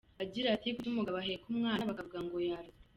Agira ati "Kuki umugabo aheka umwana bakavuga ngo yarozwe.